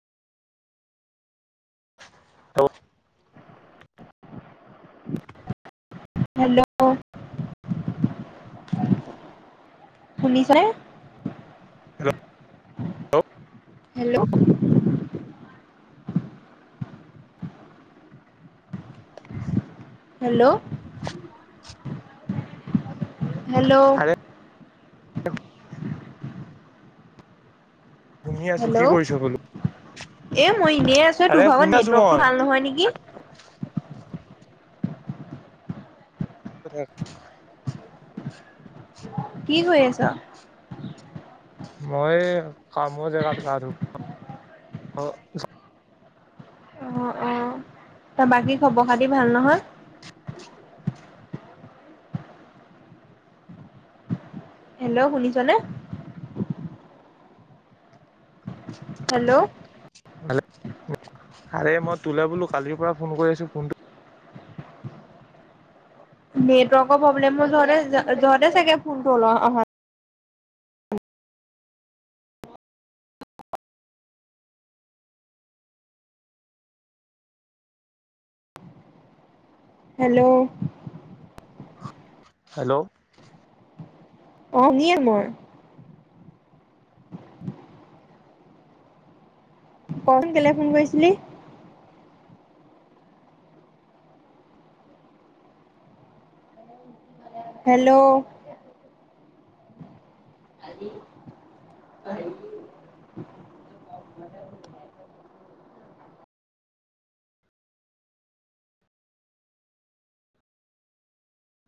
অ' hello [unintelligible] শুনিছানে hello hello hello hello আৰে শুনি আছো কি হেল্ল' কৰিছ বোলো এ মই এনেই আছো আৰে তোৰ ভাগৰ শুনি আছো নেটৱৰ্কটো মই ভাল নহয় নেকি। উ [inaudible] কি কৰি আছ? মই এই কাম জেগাত গা ধুব ত বাকী খবৰ খাতি ভাল নহয়। হেল্ল' শুনিছনে? হেল্ল' আৰে মই তোলো বোলো কালিৰ পৰা ফোন কৰি আছো ফোনটো নেটৱৰ্কৰ প্ৰব্লেম মোৰ যোৱাতে চাগে ফোনটো হল অ। হেল্ল' হেল্ল' অ নিয়ে মই। [inaudible] ক চোন কেলে ফোন কৰিছিলি? হেল্ল' [unintelligible]